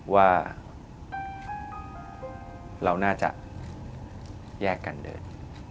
ว่าเราน่าจะแยกกันเดิน